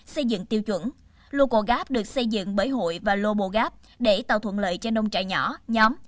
xây dựng tiêu chuẩn locogap được xây dựng bởi hội và lobogap để tạo thuận lợi cho nông trại nhỏ nhóm